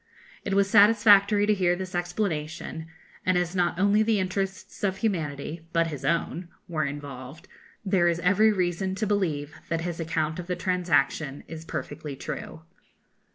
It was satisfactory to hear this explanation; and as not only the interests of humanity, but his own, were involved, there is every reason to believe that his account of the transaction is perfectly true.